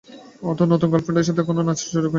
তোমার নতুন গার্লফ্রেন্ডের সাথে এখনও নাচার সুযোগ হয়নি।